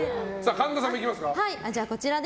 神田さんもいきますか。